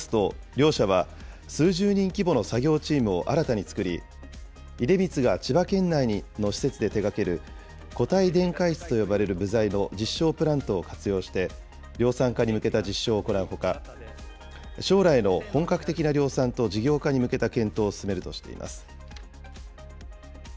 両社は数十人規模の作業チームを新たに作り、出光が千葉県内の施設で手がける、固体電解質と呼ばれる部材の実証プラントを活用して、量産化に向けた実証を行うほか、将来の本格的な量産と事業化に向けた検討を進めるとしています。